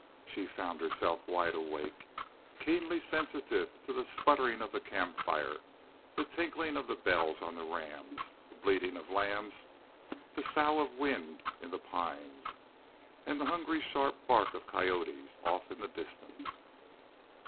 She found herself wide awake, keenly sensitive to the sputtering of the camp fire, the tinkling of bells on the rams, the bleating of lambs, the sough of wind in the pines, and the hungry sharp bark of coyotes off in the distance.